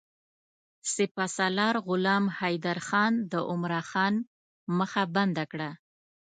سپه سالار غلام حیدرخان د عمرا خان مخه بنده کړه.